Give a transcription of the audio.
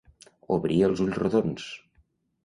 Obrir els ulls rodons.